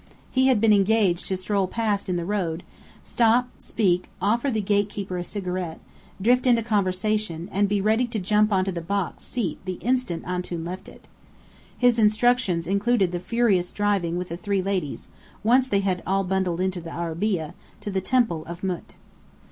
He had been engaged to stroll past in the road, stop, speak, offer the gatekeeper a cigarette, drift into conversation, and be ready to jump onto the box seat the instant Antoun left it. His instructions included furious driving with the three ladies (once they had bundled into the arabeah), to the Temple of Mût.